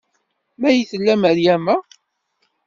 May tella Meryama?